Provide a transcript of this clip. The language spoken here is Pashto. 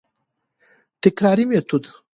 تکراري ميتود: